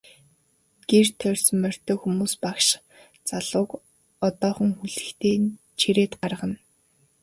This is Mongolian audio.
Гэр тойрсон морьтой хүмүүс багш залууг одоохон хүлэгтэй нь чирээд гаргана.